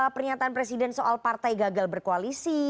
pernyataan presiden soal partai gagal berkoalisi